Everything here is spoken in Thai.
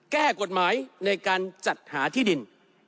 แก้กฎหมายในการจัดหาที่ดิน